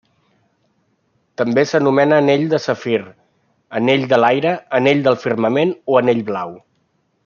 També s'anomena Anell de Safir, Anell de l'Aire, Anell del Firmament, o Anell Blau.